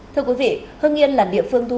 thưa quý vị hương yên là địa phương thu hút